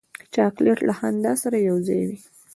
چاکلېټ له خندا سره یو ځای وي.